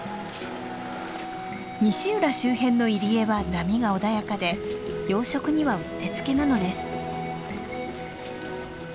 西浦周辺の入り江は波が穏やかで養殖にはうってつけなのです。